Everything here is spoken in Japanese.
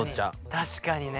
確かにね。